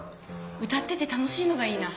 歌ってて楽しいのがいいな。